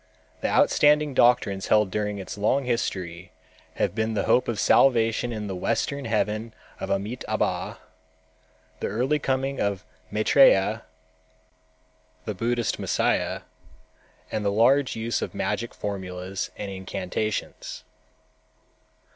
The outstanding doctrines held during its long history have been the hope of salvation in the Western Heaven of Amitâbha, the early coming of Maitrêya, the Buddhist Messiah, and the large use of magic formulas and incantations.